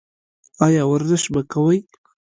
ایا ورزش به کوئ؟